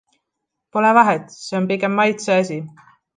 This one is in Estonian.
Pole vahet, see on pigem maitseasi.